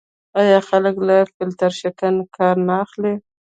آیا خلک له فیلټر شکن کار نه اخلي؟